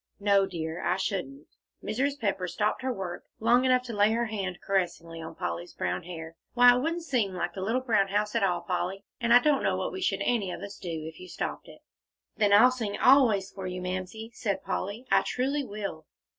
"No, dear, I shouldn't." Mrs. Pepper stopped her work long enough to lay her hand caressingly on Polly's brown hair. "Why, it wouldn't seem like the little brown house at all, Polly, and I don't know what we should any of us do, if you stopped it." "Then I'll sing always for you, Mamsie," said Polly; "I truly will."